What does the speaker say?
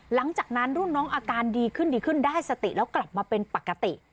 หลังจากนั้นรุ่นน้องอาการดีขึ้นดีขึ้นได้สติแล้วกลับมาเป็นปกติ